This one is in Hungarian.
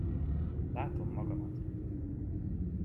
Látom magamat!